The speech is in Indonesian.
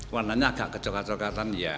warnanya agak kecoklatan ya